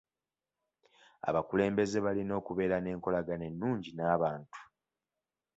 Abakulembeze balina okubeera nenkolagana ennungi n'abantu.